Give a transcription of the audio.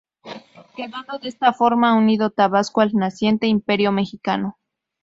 Quedando de esta forma, unido Tabasco al naciente Imperio mexicano.